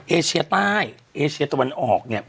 เอเชียใต้เอเชียตะวันออก